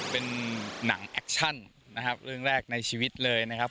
เป็นหนังแอคชั่นนะครับเรื่องแรกในชีวิตเลยนะครับ